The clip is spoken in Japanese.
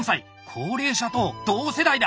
高齢者と同世代だ！